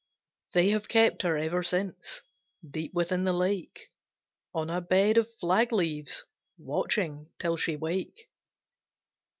They have kept her ever since Deep within the lake, On a bed of flag leaves, Watching till she wake.